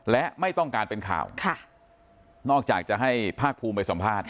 และไม่ต้องการเป็นข่าวนอกจากจะให้ภาคภูมิไปสัมภาษณ์